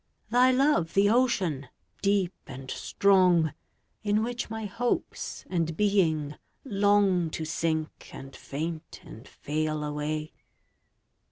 Thy love the ocean, deep and strong, In which my hopes and being longTo sink and faint and fail away?